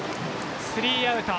スリーアウト。